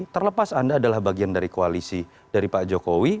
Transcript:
terlepas anda adalah bagian dari koalisi dari pak jokowi